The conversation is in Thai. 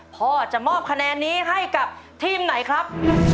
พ่อจะมอบคะแนนนี้ให้กับทีมไหนครับ